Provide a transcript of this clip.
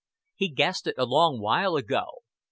He guessed it a long while ago.